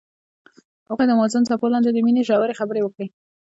هغوی د موزون څپو لاندې د مینې ژورې خبرې وکړې.